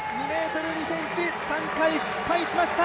２ｍ２ｃｍ３回、失敗しました。